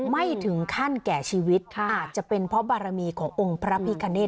ไม่ถึงขั้นแก่ชีวิตอาจจะเป็นเพราะบารมีขององค์พระพิคเนต